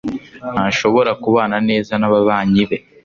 ntashobora kubana neza nababanyi be